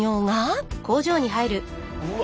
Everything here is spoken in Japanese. うわ。